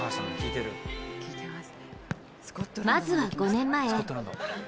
まずは５年前。